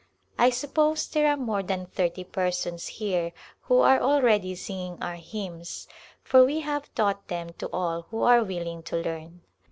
I suppose there are more than thirty persons here who are already singing our hymns for we have taught them to all who are willing to learn.